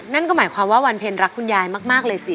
นั่นก็หมายความว่าวันเพลงรักคุณยายมากเลยสิ